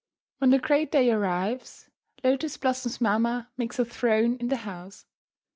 When the great day arrives, Lotus Blossom's mamma makes a throne in the house.